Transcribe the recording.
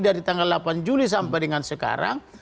dari tanggal delapan juli sampai dengan sekarang